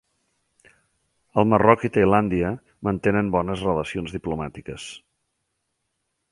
El Marroc i Tailàndia mantenen bones relacions diplomàtiques.